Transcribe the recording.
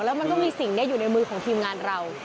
แล้วมันก็มีสิ่งนี้อยู่ในมือของทีมงานเรา